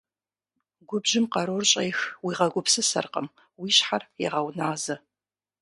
Губжьым къарур щӀех, уигъэгупсысэркъым, уи щхьэр егъэуназэ.